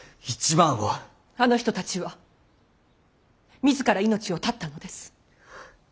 あの人たちは自ら命を絶ったのです。